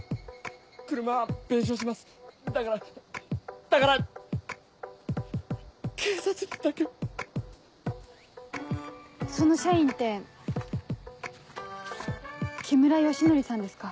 車は弁償しますだからだから警察にだけはその社員って木村良徳さんですか？